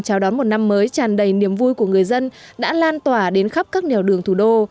chào đón một năm mới tràn đầy niềm vui của người dân đã lan tỏa đến khắp các nẻo đường thủ đô